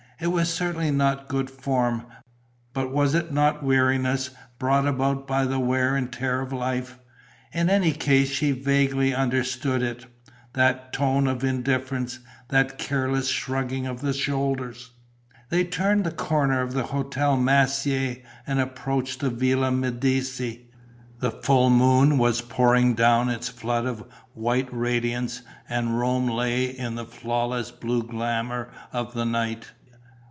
It was certainly not good form; but was it not weariness brought about by the wear and tear of life? In any case she vaguely understood it: that tone of indifference, that careless shrugging of the shoulders.... They turned the corner of the Hotel Massier and approached the Villa Medici. The full moon was pouring down its flood of white radiance and Rome lay in the flawless blue glamour of the night.